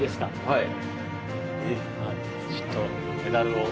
はい。